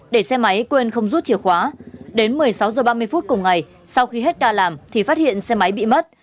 để xe máy quên không rút chìa khóa đến một mươi sáu h ba mươi phút cùng ngày sau khi hết ca làm thì phát hiện xe máy bị mất